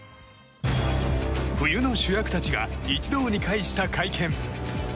冬の主役たちが一堂に会した会見。